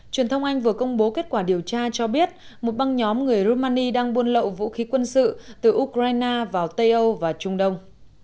truyền thông anh vừa công bố kết quả điều tra cho biết một băng nhóm người romani đang buôn lậu vũ khí quân sự từ ukraine vào tây âu và trung đông